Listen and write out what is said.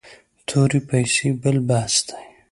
تورې پیسې بل بحث دی.